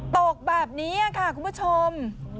ตกแบบนี้ค่ะคุณผู้ชม